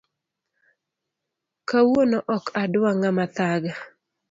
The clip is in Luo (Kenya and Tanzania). Kawuono ok adwa ngama thaga